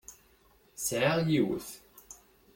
Sεiɣ yiwet.